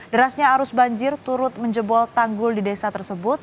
derasnya arus banjir turut menjebol tanggul di desa tersebut